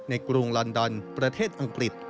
กรุงลอนดอนประเทศอังกฤษ